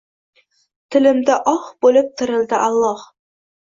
Tilimda “oh” bo‘lib tirildi Alloh!